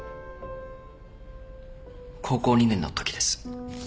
高校２年のときです。